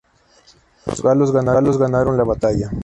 Los galos ganaron la batalla.